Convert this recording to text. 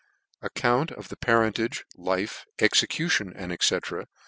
Account of the Partntage^ Life? Execution^ &c.